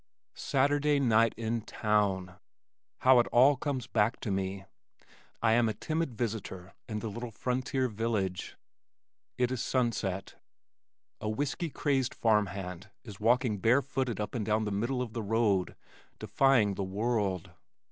Saturday night in town! How it all comes back to me! I am a timid visitor in the little frontier village. It is sunset. A whiskey crazed farmhand is walking bare footed up and down the middle of the road defying the world.